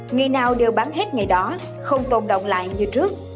ngày nào đều bán hết ngày đó không tồn động lại như trước